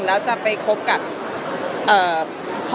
แล้วจะไปคบกับ